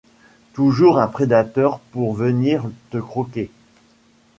toujours un prédateur pour venir te croquer.